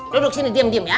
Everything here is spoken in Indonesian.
duduk sini diam diam ya